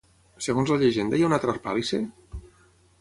Segons la llegenda hi ha una altra Harpàlice?